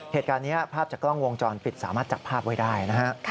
เหตุการณ์นี้ภาพจากกล้องวงจรปิดสามารถจับภาพไว้ได้นะฮะ